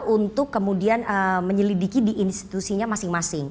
untuk kemudian menyelidiki di institusinya masing masing